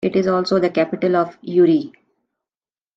It is also the capital of Uri.